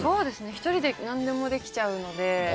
１人で何でもできちゃうので。